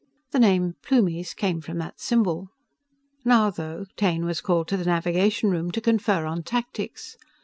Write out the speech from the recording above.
The name "Plumies" came from that symbol. Now, though, Taine was called to the navigation room to confer on tactics.